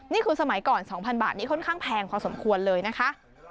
นี่คือสมัยก่อน๒๐๐บาทนี้ค่อนข้างแพงพอสมควรเลยนะคะ